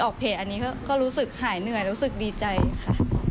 เพจอันนี้ก็รู้สึกหายเหนื่อยรู้สึกดีใจค่ะ